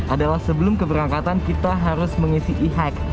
adalah sebelum keberangkatan kita harus mengisi e hack